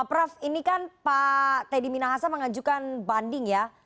prof ini kan pak teddy minahasa mengajukan banding ya